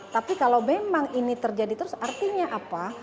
tapi kalau memang ini terjadi terus artinya apa